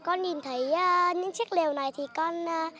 cái này em cứ để lại nè